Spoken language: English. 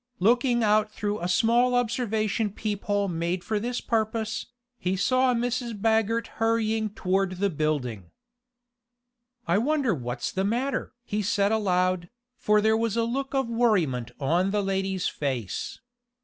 Looking out through a small observation peephole made for this purpose, he saw Mrs. Baggert hurrying toward the building. "I wonder what's the matter?" he said aloud, for there was a look of worriment on the lady's face.